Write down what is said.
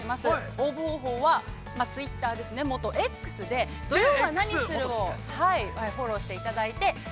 応募方法は、ツイッターですね、元、Ｘで「土曜はナニする！？」をフォローしていただいて、「＃